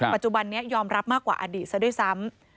ปัจจุบันนี้ยอมรับมากกว่าอดีตซะด้วยซ้ำ